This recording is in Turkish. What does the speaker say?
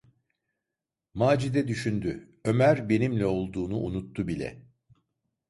Macide düşündü: "Ömer benimle olduğunu unuttu bile…"